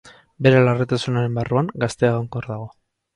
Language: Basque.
Bere larritasunaren barruan, gaztea egonkor dago.